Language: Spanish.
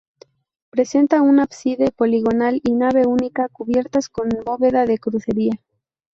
Presenta un ábside poligonal y nave única, cubiertas con bóveda de crucería.